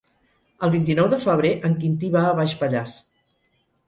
El vint-i-nou de febrer en Quintí va a Baix Pallars.